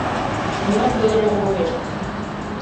Нимат йодын огыл вет?